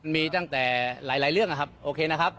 มีตั้งแต่หลายเรื่องนะครับโอเคนะครับ